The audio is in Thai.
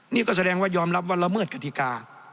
นี่ก็แสดงว่ายอมรับว่าละเมิดกฎิกา